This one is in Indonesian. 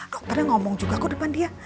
dokternya ngomong juga ke depan dia